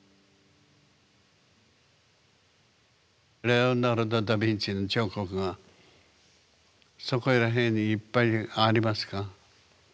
レオナルド・ダ・ヴィンチの彫刻がそこら辺にいっぱいありますか？